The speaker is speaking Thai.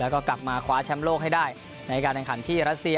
แล้วก็กลับมาคว้าแชมป์โลกให้ได้ในการแข่งขันที่รัสเซีย